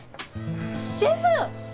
シェフ！